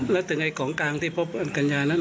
แล้วถึงไอ้ของกลางที่พบอันกัญญานั้น